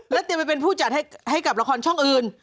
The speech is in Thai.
เตรียมไปเป็นผู้จัดให้กับละครช่องอื่น